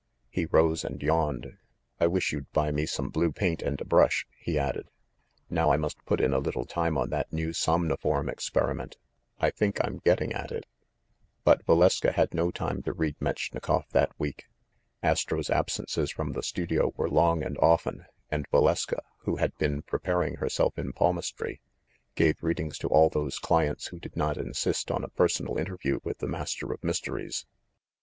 He rose and yawned. "I wish you'd buy me some blue paint and a brush," he added. "Now I must put in a little time on that new somnoform experiment. I think I'm getting at it." THE FANSHAWE GHOST 71 But Valeska had no time to read Metchnikoff that week. Astro's absences from the studio were long and often, and Valeska, who had been preparing herself in palmistry, gave readings to all those clients who did not insist on a personal interview with the Master of Mysteries.